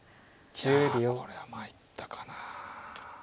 いやこれはまいったかな。